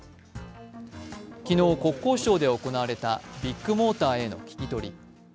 昨日、国交省で行われたビッグモーターへの聞き取り。